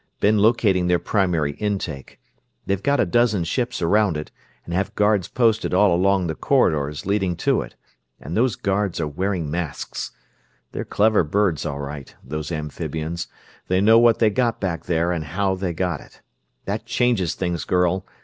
Been locating their primary intake. They've got a dozen ships around it, and have guards posted all along the corridors leading to it; and those guards are wearing masks! They're clever birds, all right, those amphibians they know what they got back there and how they got it. That changes things, girl!